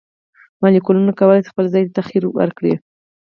مالیکولونه کولی شي خپل ځای ته تغیر ورکړي.